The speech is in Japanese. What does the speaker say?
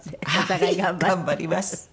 はい頑張ります。